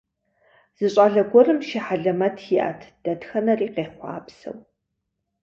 Зы щӏалэ гуэрым шы хьэлэмэт иӏэт, дэтхэнэри къехъуапсэу.